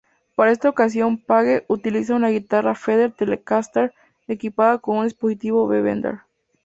Para esta ocasión, Page utiliza una guitarra Fender Telecaster equipada con un dispositivo B-Bender.